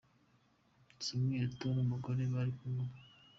Samuel Eto'o n'umugore bari kumwe ubu.